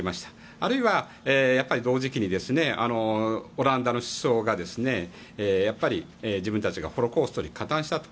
あるいは同時期にオランダの首相が自分たちがホロコーストに加担したと。